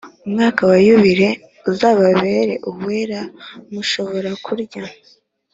Umwaka wa yubile uzababere uwera mushobora kurya